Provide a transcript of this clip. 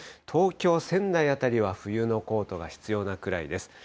東京、仙台辺りは冬のコートが必要なくらいです。